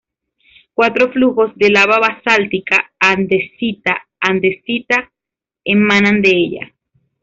Cuatro flujos de lava basáltica andesita-andesita emanan de ella.